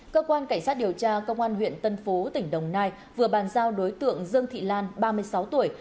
cơ quan cảnh sát điều tra công an huyện tân phú tỉnh đồng nai vừa bàn giao đối tượng dương thị lan ba mươi sáu tuổi